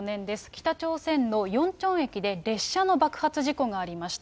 北朝鮮のヨンチョン駅で列車の爆発事故がありました。